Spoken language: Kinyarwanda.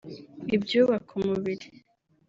Ibyubaka umubiri